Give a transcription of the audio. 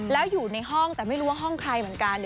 แล้วอยู่ในห้องแต่ไม่รู้ว่าห้องใครเหมือนกัน